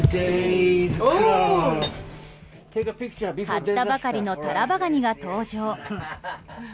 買ったばかりのタラバガニが登場。